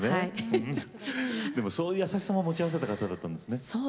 そういう優しさも持ち合わせた方だったんですね。